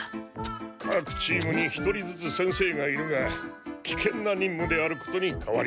各チームに１人ずつ先生がいるが危険な任務であることに変わりはない。